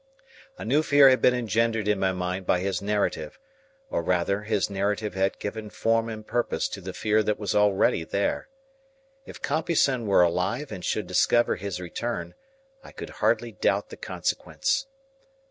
A new fear had been engendered in my mind by his narrative; or rather, his narrative had given form and purpose to the fear that was already there. If Compeyson were alive and should discover his return, I could hardly doubt the consequence.